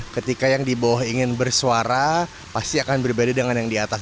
ketika yang di bawah ingin bersuara pasti akan berbeda dengan yang di atas